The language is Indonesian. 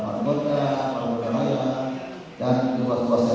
dan kami juga sudah memperkasih ruas ruas lain di wilayah jawa tengah